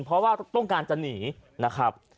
เพราะว่าต้องการจะหนีนะครับ